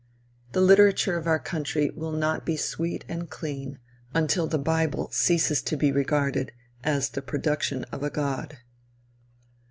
The literature of our country will not be sweet and clean until the bible ceases to be regarded as the production of a god.